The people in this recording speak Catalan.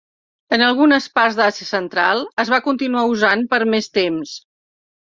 En algunes parts d'Àsia Central, es va continuar usant per més temps.